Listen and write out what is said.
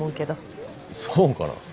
そうかな。